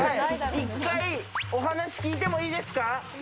１回、お話聞いてもいいですか？